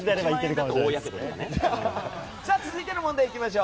続いての問題です。